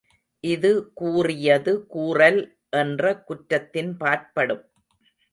இது கூறியது கூறல் என்ற குற்றத்தின்பாற்படும்.